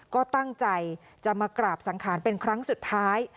ก็ตั้งใจจะมากราบสังขารเป็นครั้งสุดท้าย